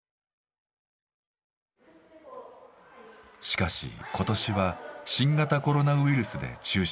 しかし今年は新型コロナウイルスで中止。